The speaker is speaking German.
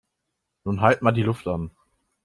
Nun halt mal die Luft an